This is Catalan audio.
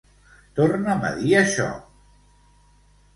Torna'm a dir això.